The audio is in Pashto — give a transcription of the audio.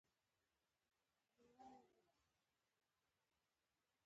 ادبي ټولنې دې فعاله سي.